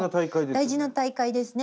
大事な大会ですね。